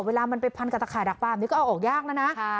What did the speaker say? เวลามันไปพันกับตะข่ายดักปลาแบบนี้ก็เอาออกยากแล้วนะ